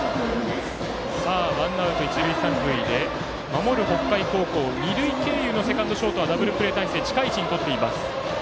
ワンアウト、一塁三塁で守る北海高校セカンド、ショートはダブルプレー態勢近い位置にとっています。